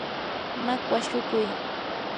makwa shukuy.